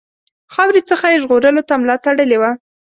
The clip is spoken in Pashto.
خاورې څخه یې ژغورلو ته ملا تړلې وه.